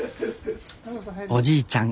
おじいちゃん